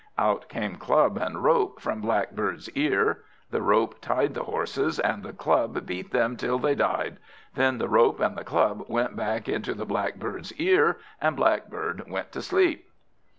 Out came Club and Rope from Blackbird's ear; the Rope tied the horses, and the Club beat them, till they died. Then the Rope and the Club went back into the Blackbird's ear, and Blackbird went to sleep.